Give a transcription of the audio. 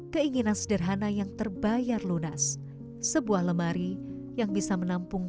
keinginan sederhana yang terbayar lunas sebuah lemari yang bisa menampung